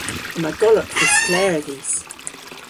Yma golok dhiskler dhis.